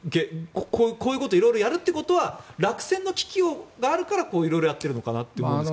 こういうこと色々やるということは落選の危機があるからこう色々やってるのかなと思うんですが。